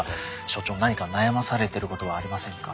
所長何か悩まされてることはありませんか？